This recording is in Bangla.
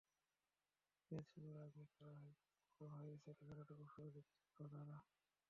ম্যাচ শুরুর আগে ওরা হয়তো ভেবেছিল, খেলাটা খুব সহজেই জিতে যাবে তারা।